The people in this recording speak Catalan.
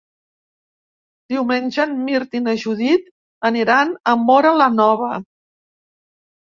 Diumenge en Mirt i na Judit aniran a Móra la Nova.